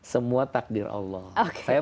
semua takdir allah saya